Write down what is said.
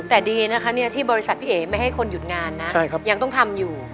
แต่ดีนะคะที่บริษัทพี่เอ๋ไม่ให้คนหยุดงานนะยังต้องทำอยู่